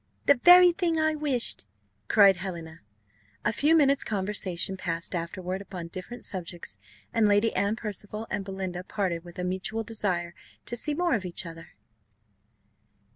"The very thing I wished!" cried Helena. A few minutes' conversation passed afterward upon different subjects, and Lady Anne Percival and Belinda parted with a mutual desire to see more of each other.